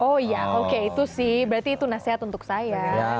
oh ya oke itu sih berarti itu nasihat untuk saya